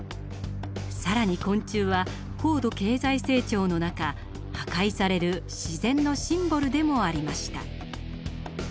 更に昆虫は高度経済成長の中破壊される自然のシンボルでもありました。